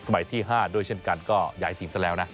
ที่๕ด้วยเช่นกันก็ย้ายทีมซะแล้วนะ